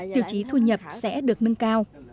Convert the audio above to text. tiêu chí thu nhập sẽ được nâng cao